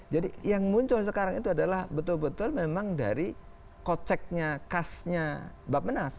jadi yang muncul sekarang itu adalah betul betul memang dari koceknya kasnya bapak penas